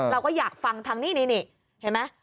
เราก็อยากฟังทางนี้นี่เห็นไหม